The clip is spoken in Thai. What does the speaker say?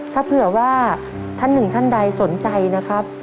ถ้าเผื่อว่าท่านหนึ่งท่านใดสนใจนะครับ